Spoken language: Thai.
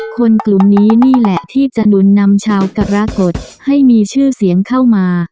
คนกลุ่มนี้นี่แหละที่จะหนุนนำชาวกรกฎให้มีชื่อเสียงเข้ามา